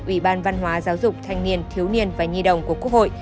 ủy ban văn hóa giáo dục thanh niên thiếu niên và nhi đồng của quốc hội